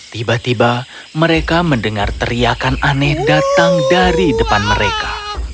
tiba tiba mereka mendengar teriakan aneh datang dari depan mereka